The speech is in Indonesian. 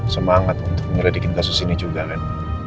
semangat untuk mengeredikin kasus ini juga kan